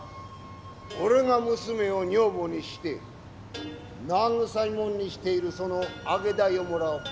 俺が娘を女房にして慰みもんにしているその揚げ代をもらおう。